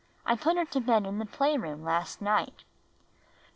I put her to bed in the play room last night."